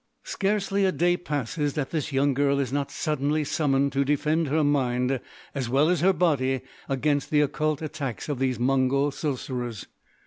"Scarcely a day passes that this young girl is not suddenly summoned to defend her mind as well as her body against the occult attacks of these Mongol Sorcerers.